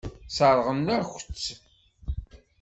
Sseṛɣen-ak-tt.